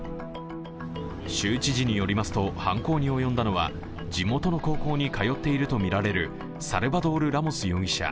州知事によりますと、犯行に及んだのは地元の高校に通っているとみられるサルバドール・ラモス容疑者